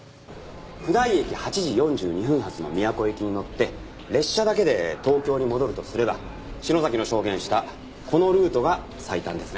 普代駅８時４２分発の宮古行きに乗って列車だけで東京に戻るとすれば篠崎の証言したこのルートが最短ですね。